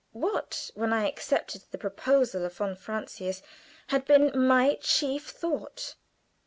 What, when I accepted the proposal of von Francius, had been my chief thought?